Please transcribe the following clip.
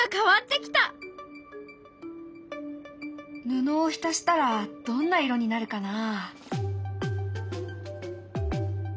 布を浸したらどんな色になるかな？